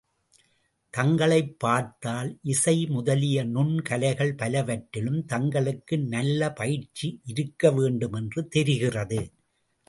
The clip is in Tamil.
தங்களைப் பார்த்தால் இசை முதலிய நுண்கலைகள் பலவற்றிலும் தங்களுக்கு நல்லபயிற்சி இருக்க வேண்டும் என்று தெரிகிறது.